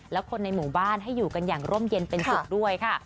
และคนในหมู่บ้านให้อยู่กันอย่างร่มเย็นเป็นสุขด้วยค่ะ